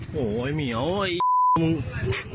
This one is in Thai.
โอ้โหไอ้เหมียวไอ้มึง